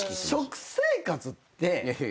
食生活って。